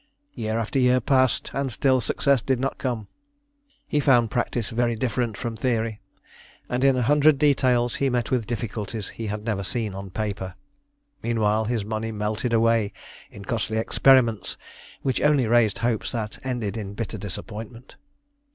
Year after year passed, and still success did not come. He found practice very different from theory, and in a hundred details he met with difficulties he had never seen on paper. Meanwhile his money melted away in costly experiments which only raised hopes that ended in bitter disappointment.